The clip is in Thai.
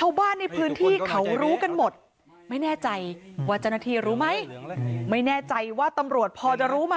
ชาวบ้านในพื้นที่เขารู้กันหมดไม่แน่ใจว่าเจ้าหน้าที่รู้ไหมไม่แน่ใจว่าตำรวจพอจะรู้ไหม